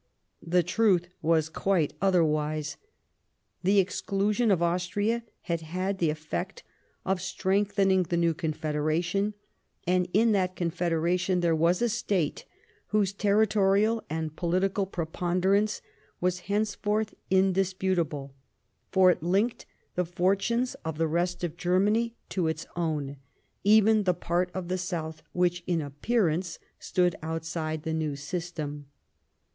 The truth was quite otherwise ; the ex clusion of Austria had had the effect of strengthening the new Confederation, and in that Confederation there was a State whose territorial and political preponderance was henceforth indisputable ; for it linked the fortunes of the rest of Germany to its own, even the part of the South which, in appear ance, stood outside the new system.